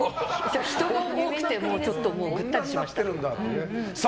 人が多くてぐったりしました。